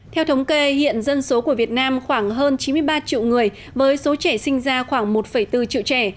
theo thống kê hiện dân số của việt nam khoảng hơn chín mươi ba triệu người với số trẻ sinh ra khoảng một bốn triệu trẻ